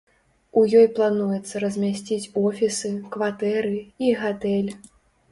У ёй плануецца размясціць офісы, кватэры і гатэль.